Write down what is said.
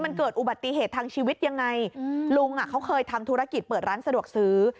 มันเกิดอุบัติเหตุทางชีวิตยังไงลุงอ่ะเขาเคยทำธุรกิจเปิดร้านสะดวกซื้อ